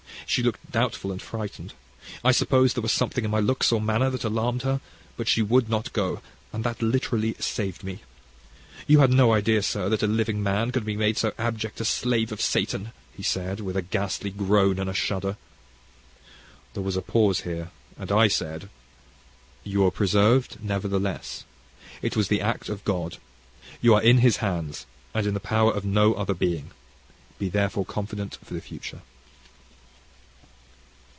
She looked doubtful and frightened. I suppose there was something in my looks or manner that alarmed her; but she would not go, and that literally saved me. You had no idea, sir, that a living man could be made so abject a slave of Satan," he said, with a ghastly groan and a shudder. There was a pause here, and I said, "You were preserved nevertheless. It was the act of God. You are in His hands and in the power of no other being: be therefore confident for the future."